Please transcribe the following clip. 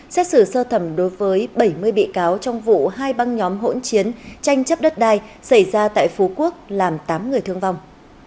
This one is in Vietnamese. xét xử sơ thẩm đối với bảy mươi bị cáo trong vụ hai băng nhóm hỗn chiến tranh chấp đất đai xảy ra tại phú quốc làm tám người thương vong